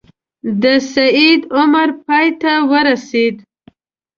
د سید عمر پای ته ورسېد.